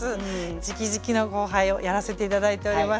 じきじきの後輩をやらせて頂いております。